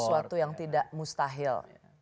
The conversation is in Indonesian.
sesuatu yang tidak mustahil